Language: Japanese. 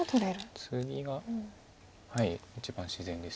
ツギが一番自然です。